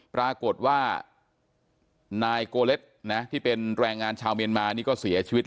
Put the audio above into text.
ปรากฏว่านายโกเลสที่เป็นแรงงานชาวเมียนมานี่ก็เสียชีวิต